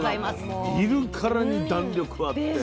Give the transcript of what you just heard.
見るからに弾力あって。